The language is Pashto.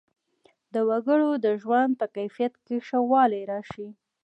د وګړو د ژوند په کیفیت کې ښه والی راشي.